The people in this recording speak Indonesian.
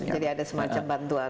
jadi ada semacam bantuan